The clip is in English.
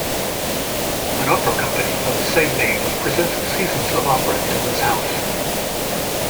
An opera company of the same name presents seasons of opera in this house.